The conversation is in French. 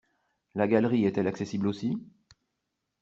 La galerie est-elle accessible aussi?